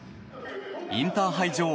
インターハイ女王